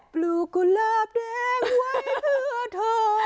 ปลูกกุหลาบแดงไว้เพื่อเธอ